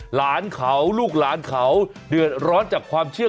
หลานเขาลูกหลานเขาเดือดร้อนจากความเชื่อ